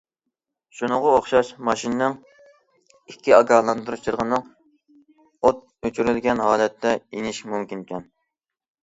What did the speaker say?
شۇنىڭغا ئوخشاش ماشىنىنىڭ ئىككى ئاگاھلاندۇرۇش چىرىغىنىڭ ئوت ئۆچۈرۈلگەن ھالەتتە يېنىشى مۇمكىنكەن.